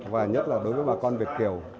và nhất là đối với bà con việt kiều